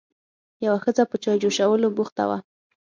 یوه ښځه په چای جوشولو بوخته وه.